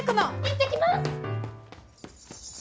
行ってきます！